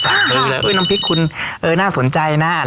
สั่งซื้อเลยน้ำพริกคุณน่าสนใจนะ